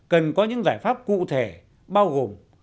cần có những giải pháp cụ thể bao gồm